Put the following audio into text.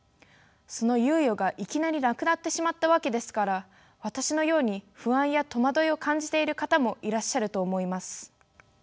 その猶予がいきなりなくなってしまったわけですから私のように不安や戸惑いを感じている方もいらっしゃると思います。